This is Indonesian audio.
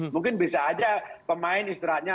mungkin bisa saja pemain istirahatnya